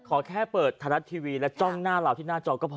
ขอแค่เปิดไทยรัฐทีวีและจ้องหน้าเราที่หน้าจอก็พอ